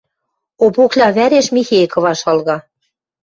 Обокля вӓреш Михей кыва шалга.